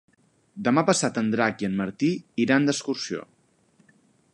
Demà passat en Drac i en Martí iran d'excursió.